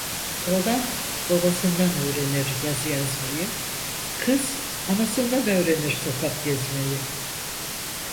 Oğlan babasından öğrenir yazı yazmayı, kız anasından öğrenir sokak gezmeyi…